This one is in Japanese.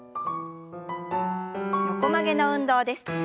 横曲げの運動です。